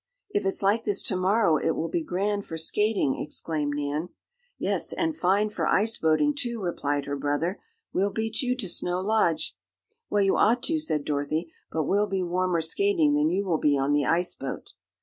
"If it's like this to morrow it will be grand for skating!" exclaimed Nan. "Yes, and fine for ice boating, too," replied her brother. "We'll beat you to Snow Lodge." "Well, you ought to," said Dorothy, "but we'll be warmer skating than you will be on the ice boat."